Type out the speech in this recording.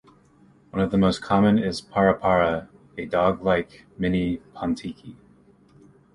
One of the most common is Parapara, a dog-like mini pontiki.